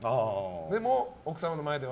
でも奥様の前では？